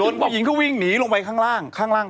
ส่วนผู้หญิงก็วิ่งหนีลงให้ภัพที่ข้างล่าง